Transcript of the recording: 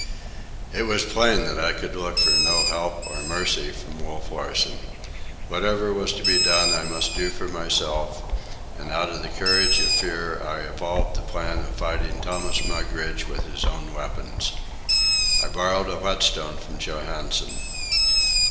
It was plain that I could look for no help or mercy from Wolf Larsen. Whatever was to be done I must do for myself; and out of the courage of fear I evolved the plan of fighting Thomas Mugridge with his own weapons. I borrowed a whetstone from Johansen.